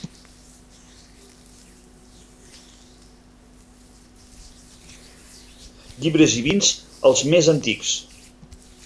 Llibres i vins, els més antics.